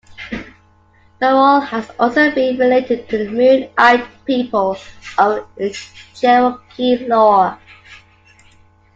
The wall has also been related to the "moon-eyed people" of Cherokee lore.